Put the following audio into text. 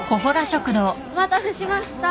お待たせしました。